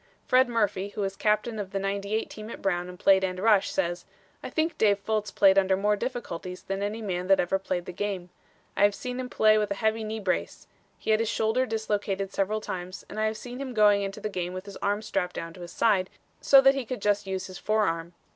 Fred Murphy, who was captain of the '98 team at Brown and played end rush, says: "I think Dave Fultz played under more difficulties than any man that ever played the game. I have seen him play with a heavy knee brace. He had his shoulder dislocated several times and I have seen him going into the game with his arm strapped down to his side, so he could just use his forearm.